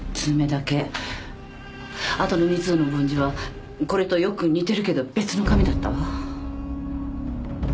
後の２通の梵字はこれとよく似てるけど別の紙だったわ。